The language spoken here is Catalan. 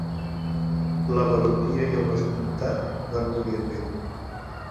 La baronia i el vescomtat van morir amb ell.